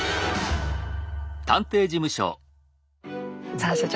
さあ所長